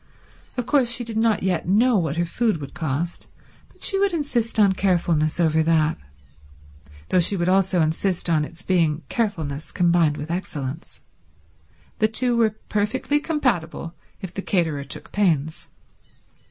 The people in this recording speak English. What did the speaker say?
Of course she did not yet know what her food would cost, but she would insist on carefulness over that, though she would also insist on its being carefulness combined with excellence. The two were perfectly compatible if the caterer took pains.